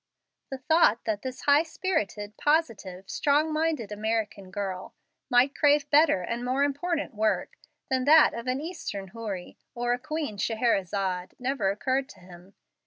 The thought that this high spirited, positive, strong minded American girl might crave better and more important work than that of an Eastern houri or a Queen Scheherezade, never occurred to him.